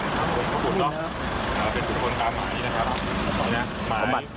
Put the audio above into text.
สวัสดีครับ